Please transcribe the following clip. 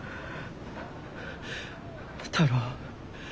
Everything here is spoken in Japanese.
太郎。